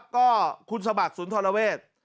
แล้วก็คุณสมัครศูนย์ธรรเวศ